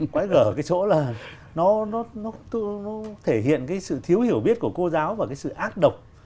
quá gở cái chỗ là nó thể hiện cái sự thiếu hiểu biết của cô giáo và cái sự ác độc